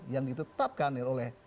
yang ditetapkan oleh